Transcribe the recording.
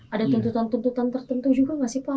ada tentukan tentukan tertentu juga nggak sih pak